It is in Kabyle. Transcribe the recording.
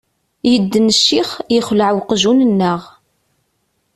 Yedden ccix, yexleε uqjun-nneɣ.